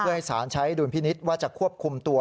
เพื่อให้สารใช้ดุลพินิษฐ์ว่าจะควบคุมตัว